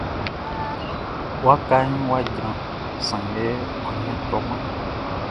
Wakaʼn wʼa jran, sanngɛ ɔ nin a tɔman.